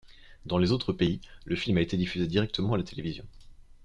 Dans les autres pays, le film a été diffusé directement à la télévision.